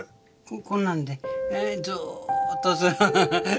こんなんでずっとする。